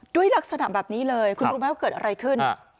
ด้วยลักษณะแบบนี้เลยคุณรู้ไหมว่าเกิดอะไรขึ้น